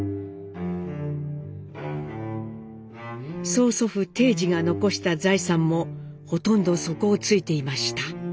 曽祖父貞次が残した財産もほとんど底をついていました。